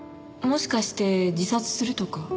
もしかして自殺するとか？